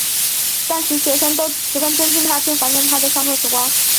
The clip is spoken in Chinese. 但其学生都十分尊敬他并怀念他上课时光。